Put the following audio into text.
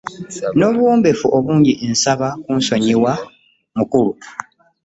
N'obuwoombeefu obungi nsaba kunsonyiwa mukulu.